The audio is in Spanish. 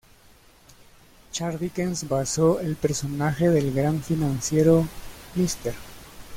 Charles Dickens basó el personaje del gran financiero Mr.